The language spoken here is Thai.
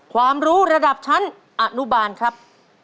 ความรู้ระดับชั้นอนุบาลครับ